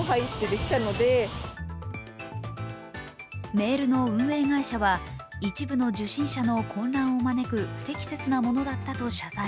メールの運営会社は一部の受信者の混乱を招く不適切なものだったと謝罪。